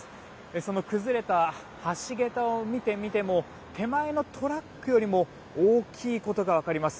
その崩れた橋桁を見てみても手前のトラックよりも大きいことが分かります。